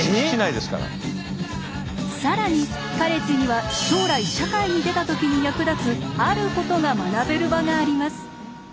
更にカレッジには将来社会に出た時に役立つあることが学べる場があります。